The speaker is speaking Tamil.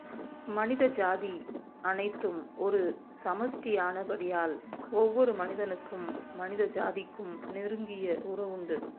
மனித ஜாதி அனைத்தும் ஒரு சமஷ்டியானபடியால் ஒவ்வொரு மனிதனுக்கும் மனித ஜாதிக்கும் நெருங்கிய உறவுண்டு.